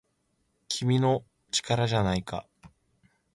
「君の！力じゃないか!!」